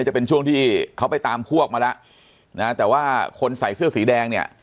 จะเป็นช่วงที่เขาไปตามพวกมาแล้วนะแต่ว่าคนใส่เสื้อสีแดงเนี่ย